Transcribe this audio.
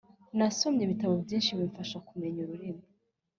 Nasomye ibitabo byinshi bimfasha kumenya ururimi